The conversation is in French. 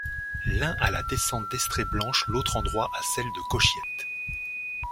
L'un à la descente d'Estrée Blanche l'autre endroit à celle de Cauchiette.